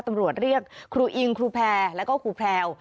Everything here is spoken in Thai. ตำรวจเรียกครูอิงครูแพรแล้วก็ครูแพรว